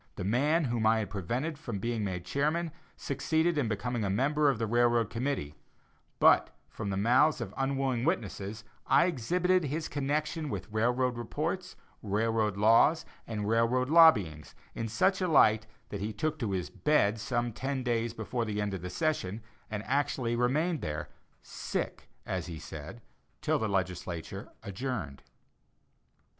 The man whom I had prevented from being made chairman, succeeded in becoming a member of the railroad committee; but, from the mouths of unwilling witnesses, I exhibited his connection with railroad reports, railroad laws, and railroad lobbyings, in such a light that he took to his bed some ten days before the end of the session, and actually remained there, "sick," as he said, till the legislature adjourned.